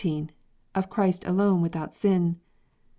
Of Christ alone without Sin.